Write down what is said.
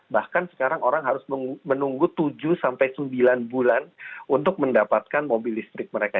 bahkan sekarang orang harus menunggu tujuh sampai sembilan bulan untuk mendapatkan mobil listrik mereka